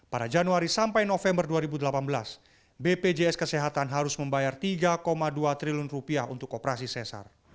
pada januari sampai november dua ribu delapan belas bpjs kesehatan harus membayar tiga dua triliun rupiah untuk operasi sesar